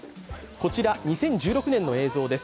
こちら２０１６年の映像です。